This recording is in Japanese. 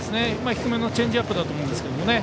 低めのチェンジアップだと思うんですけれどもね。